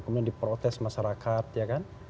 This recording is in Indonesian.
kemudian diprotes masyarakat ya kan